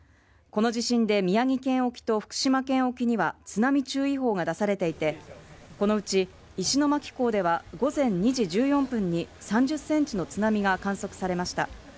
この地震で宮城県沖と福島県沖には津波注意報が出されていてこのうち石巻港では午前２時１４分に３０センチの津波が観測されました。